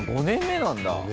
５年目なんだ。